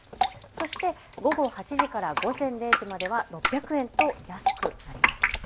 そして午後８時から午前０時までは６００円と安くなります。